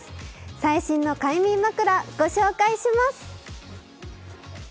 最新の快眠枕ご紹介します。